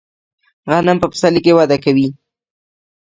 غنم په پسرلي کې وده کوي.